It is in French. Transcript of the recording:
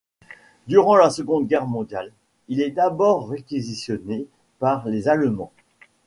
Durant la Seconde Guerre mondiale il est d'abord réquisitionné par les Allemands.